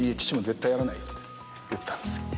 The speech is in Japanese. って言ったんです。